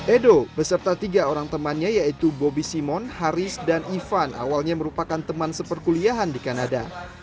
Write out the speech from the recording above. edo beserta tiga orang temannya yaitu bobby simon haris dan ivan awalnya merupakan teman seperkuliahan di kanada